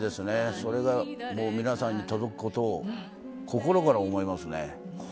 それが皆さんに届くことを心から思いますね。